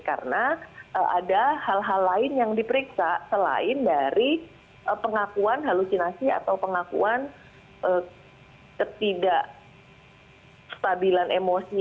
karena ada hal hal lain yang diperiksa selain dari pengakuan halusinasi atau pengakuan ketidakstabilan emosi